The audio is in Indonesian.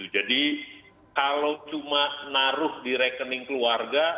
jadi kalau cuma naruh di rekening keluarga